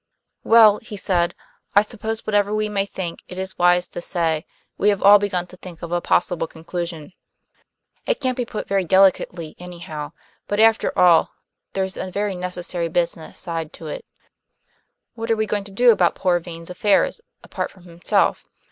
"Well," he said, "I suppose whatever we may think it wise to say, we have all begun to think of a possible conclusion. It can't be put very delicately anyhow; but, after all, there's a very necessary business side to it. What are we going to do about poor Vane's affairs, apart from himself?